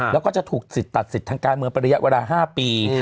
แล้วก็จะถูกตัดสิทธิ์ทางการเมื่อประระยะเวลา๕ปี